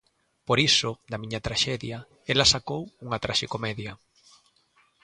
Por iso, da miña traxedia, ela sacou unha traxicomedia.